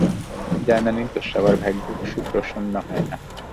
জানেনই তো, সবার ভাগ্য সুপ্রসন্ন হয় না।